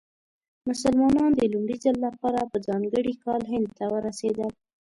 مسلمانان د لومړي ځل لپاره په ځانګړي کال هند ورسېدل.